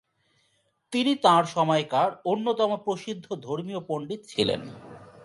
তিনি তাঁর সময়কার অন্যতম প্রসিদ্ধ ধর্মীয় পণ্ডিত ছিলেন।